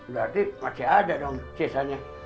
berarti masih ada dong sisanya